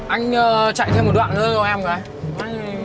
anh chạy thêm một đoạn nữa cho em cơ anh